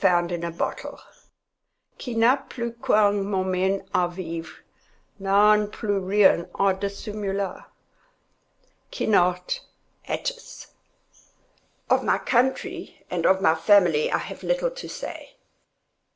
MS. FOUND IN A BOTTLE Qui n'a plus qu'un moment a vivre N'a plus rien a dissimuler. —Quinault—Atys. Of my country and of my family I have little to say.